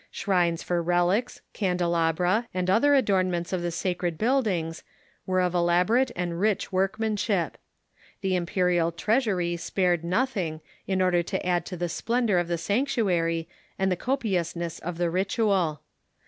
Shrines for relics, candelabra, and other adornments of the sacred build ings, were of elaborate and rich workmanship. The imperial treasury spared nothing, in order to add to the splendor of the sanctuary and the copiousness of the ritual.